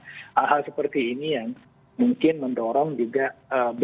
hal hal seperti ini yang mungkin mendorong juga